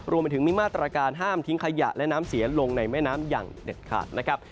รวมไปถึงมีมาตรการห้ามทิ้งขยะและน้ำเสียลงในแม่น้ำอย่างเด็ดขาดนะครับ